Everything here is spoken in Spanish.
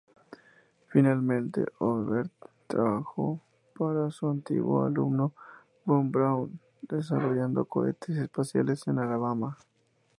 Finalmente Oberth trabajó para su antiguo alumno von Braun, desarrollando cohetes espaciales en Alabama.